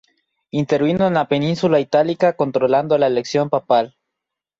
Intervino en la Península Itálica controlando la elección papal.